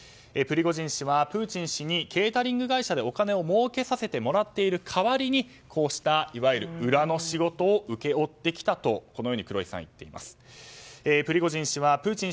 プリゴジン氏はプーチン氏にケータリング会社でお金をもうけさせてもらっている代わりにこうしたいわゆる裏の仕事を請け負ってきたと黒井さんは言っています。